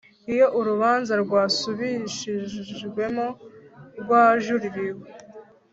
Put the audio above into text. Iyo urubanza rwasubirishijwemo rwajuririwe